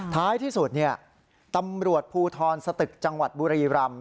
ท้ายที่สุดตำรวจภูทรสตึกจังหวัดบุรีรำ